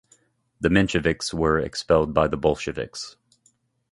The Mensheviks were expelled by the Bolsheviks.